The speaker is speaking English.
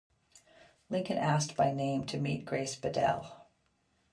Lincoln asked by name to meet Grace Bedell.